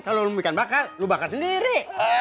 kalau lo mau ikan bakar lo bakar sendiri